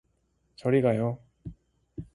저리 가요.